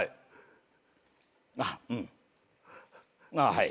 はい。